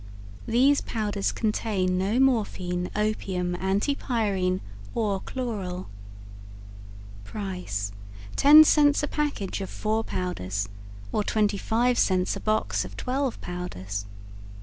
These powders contain no Morphine, Opium, Anti pyrine or chloral. Price 10 cents a package of 4 powders; or 25 cents a box of 12 powders.